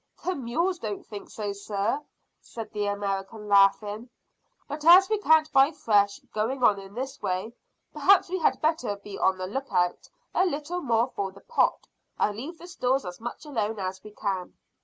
"The mules don't think so, sir," said the American, laughing; "but as we can't buy fresh, going on in this way, perhaps we had better be on the lookout a little more for the pot, and leave the stores as much alone as we can."